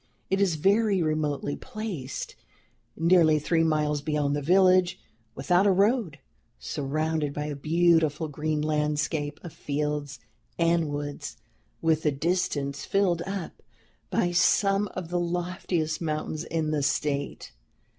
It is very remotely placed, nearly three miles beyond the village, without a road, surrounded by a beautiful green landscape of fields and woods, with the distance filled up by some of the loftiest mountains in the State.